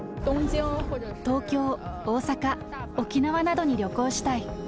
東京、大阪、沖縄などに旅行したい。